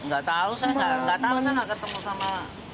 gak tau saya gak ketemu sama